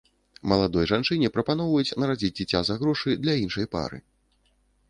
Маладой жанчыне прапаноўваюць нарадзіць дзіця за грошы для іншай пары.